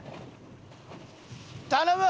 頼む！